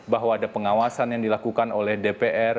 bahwa ada pengawasan yang dilakukan oleh dpr